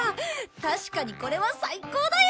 確かにこれは最高だよ！